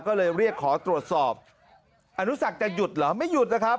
ก็เลยเรียกขอตรวจสอบอนุสักจะหยุดเหรอไม่หยุดนะครับ